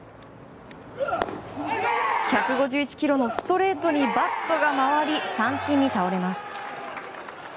１５１キロのストレートにバットが回り、三振に倒れます。